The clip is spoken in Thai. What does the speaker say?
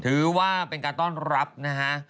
ถือว่าเป็นการต้อนรับนะฮะ